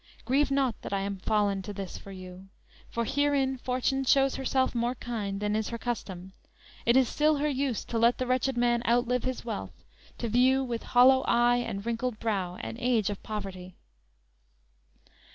Grieve not that I am fallen to this for you; For herein fortune shows herself more kind Than is her custom; it is still her use To let the wretched man outlive his wealth, To view with hollow eye and wrinkled brow, An age of poverty."